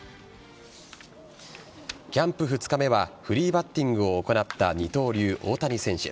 キャンプ２日目はフリーバッティングを行った二刀流・大谷選手。